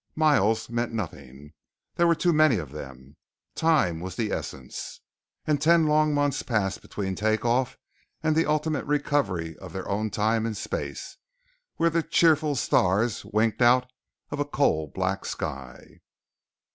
Miles meant nothing; there were too many of them. Time was the essence, and ten long months passed between take off and the ultimate recovery of their own time and space, where the cheerful stars winked out of a coal black sky.